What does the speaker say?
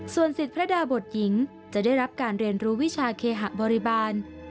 ส่วนสิทธิ์พระดาบทหญิงจะได้รับการเรียนรู้วิชาเคหะบริบาล